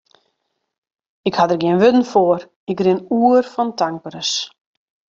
Ik ha der gjin wurden foar, ik rin oer fan tankberens.